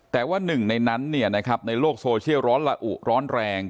แต่ว่าหนึ่งในนั้นในโลกโซเชียลร้อนละอุร้อนแรง